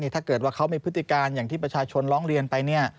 ถ้าเกิดว่าเขามีพฤติการอย่างที่ประชาชนร้องเรียนไป